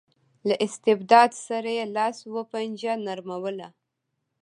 له استبداد سره یې لاس و پنجه نرموله.